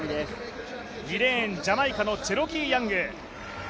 ２レーン、ジャマイカのチャロキー・ヤング。